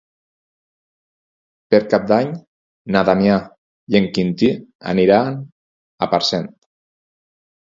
Per Cap d'Any na Damià i en Quintí aniran a Parcent.